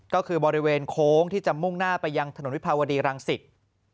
ก็คือบริเวณโค้งที่จะมุ่งหน้าไปยังถนนวิภาวดีรังสิต